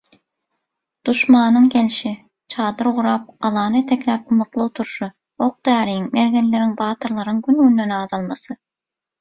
Duşmanyň gelşi, çadyr gurap, galany etekläp ymykly oturşy, ok-däriň, mergenleriň, batyrlaryň güngünden azalmasy